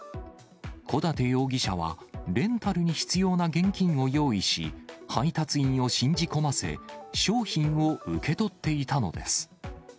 小館容疑者はレンタルに必要な現金を用意し、配達員を信じ込ませ、商品を受け取っていたのです。